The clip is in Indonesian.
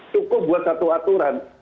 cukup buat satu aturan